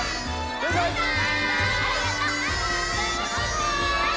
バイバーイ！